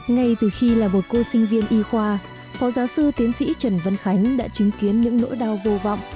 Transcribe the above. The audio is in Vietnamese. ngay từ khi là một cô sinh viên y khoa phó giáo sư tiến sĩ trần vân khánh đã chứng kiến những nỗi đau vô vọng